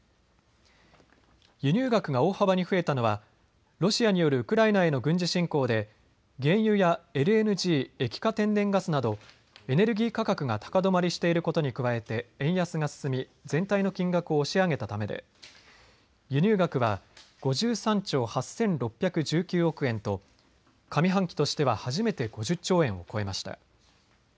輸入額が大幅に増えたのはロシアによるウクライナへの軍事侵攻で原油やＬＮＧ・液化天然ガスなどエネルギー価格が高止まりしていることに加えて円安が進み全体の金額を押し上げたためで輸入額は５３兆８６１９億円と上半期としては初めて５０兆円を超えました。